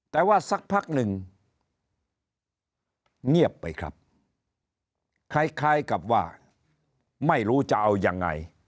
แต่ว่าสักพักหนึ่งเงียบไปครับคล้ายกับว่าไม่รู้จะเอายังไง